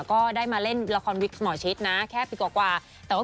ก็ได้มาเล่นละครวิกหมอชิดนะแค่ปีกว่าแต่ว่า